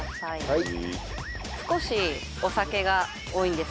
はい。